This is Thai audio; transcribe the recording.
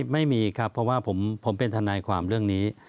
ไม่มีครับเพราะว่าผมเป็นทนายความเรื่องนี้